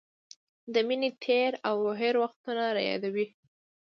د مینې تېر او هېر وختونه رايادوي.